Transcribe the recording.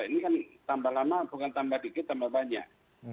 ini kan tambah lama bukan tambah dikit tambah banyak